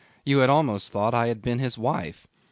You had almost thought I had been his wife.